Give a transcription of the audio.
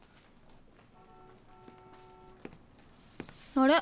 あれ？